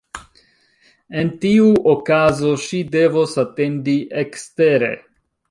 En tiu okazo ŝi devos atendi ekstere.